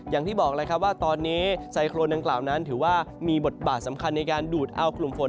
อย่างที่บอกแล้วครับว่าตอนนี้ไซโครนดังกล่าวนั้นถือว่ามีบทบาทสำคัญในการดูดเอากลุ่มฝน